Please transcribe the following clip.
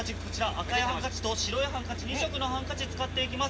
赤いハンカチと白いハンカチ２色のハンカチ使っていきます。